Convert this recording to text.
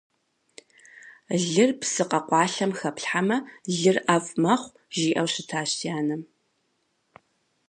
Лыр псы къэкъуалъэм хэплъхьэмэ – лыр ӀэфӀ мэхъу, жиӀэу щытащ си анэм.